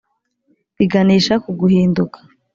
biganisha ku guhinduka